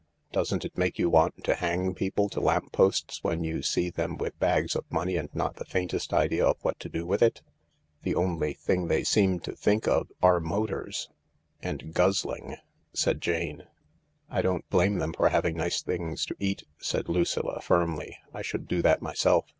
Doesn't it make you want to hang people to lamp posts when you see them with bags of money and not the faintest idea what to do with it ? The only thing they seem to think of are motors ../' "And guzzling," said Jane. " I don't blame them for having nice things to eat," said Lucilla firmly. " I should do that myself.